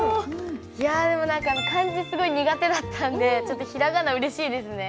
いやでも漢字すごい苦手だったんでちょっと平仮名うれしいですね。